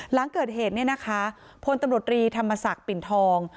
หลังเกิดเหตุเนี่ยนะคะพลตำรวจรีธรรมศักดิ์ปิ่นทอง